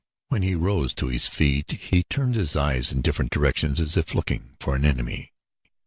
When he rose to his feet, he turned his eyes in different directions as if looking for an enemy.